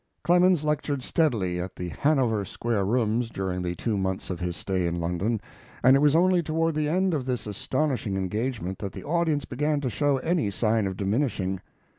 Clemens lectured steadily at the Hanover Square Rooms during the two months of his stay in London, and it was only toward the end of this astonishing engagement that the audience began to show any sign of diminishing.